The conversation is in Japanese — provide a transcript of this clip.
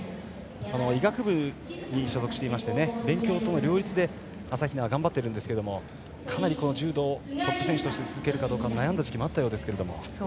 医学部に所属していまして勉強との両立で朝比奈は頑張ってるんですけどかなり柔道トップ選手として続けるかどうか悩んだ時期もあったようです。